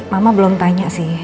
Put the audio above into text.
mama belum tanya sih